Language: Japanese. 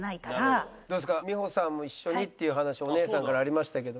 美穂さんも一緒にっていう話お姉さんからありましたけど。